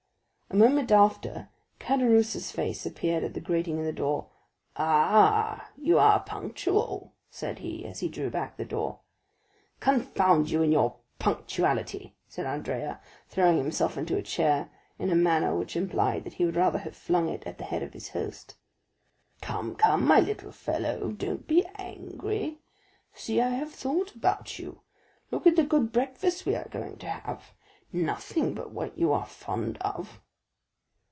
A moment after Caderousse's face appeared at the grating in the door. "Ah! you are punctual," said he, as he drew back the door. "Confound you and your punctuality!" said Andrea, throwing himself into a chair in a manner which implied that he would rather have flung it at the head of his host. "Come, come, my little fellow, don't be angry. See, I have thought about you—look at the good breakfast we are going to have; nothing but what you are fond of."